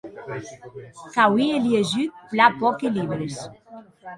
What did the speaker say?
Qu’auie liejut plan pòqui libres.